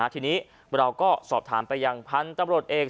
ทีนี้เราก็สอบถามไปยังพันธุ์ตำรวจเอก